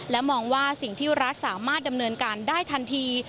และมองว่าสิ่งที่รัฐสามารถดำเนินการได้ทันที